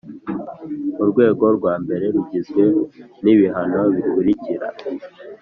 Urwego rwa mbere rugizwe n ibihano bikurikira